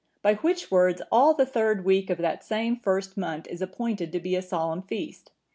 By which words all the third week of that same first month is appointed to be a solemn feast.